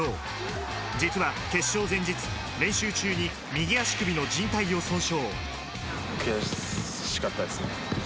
実は決勝前日、練習中に右足首のじん帯を損傷。